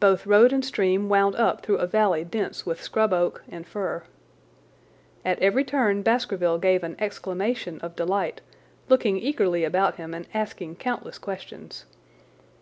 Both road and stream wound up through a valley dense with scrub oak and fir. At every turn Baskerville gave an exclamation of delight, looking eagerly about him and asking countless questions.